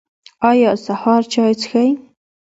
ایا سهار چای څښئ؟